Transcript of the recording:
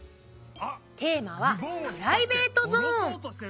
テーマは「プライベートゾーン」。